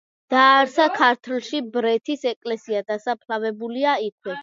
დააარსა ქართლში ბრეთის ეკლესია, დასაფლავებულია იქვე.